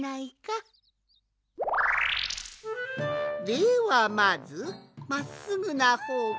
ではまずまっすぐなほうから。